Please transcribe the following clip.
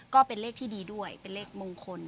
ก็เป็นเลขที่ดีด้วยเป็นเลขมงคล